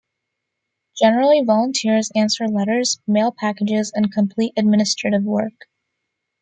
Generally, volunteers answer letters, mail packages and complete administrative work.